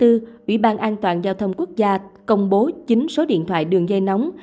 ủy ban an toàn giao thông quốc gia công bố chín số điện thoại đường dây nóng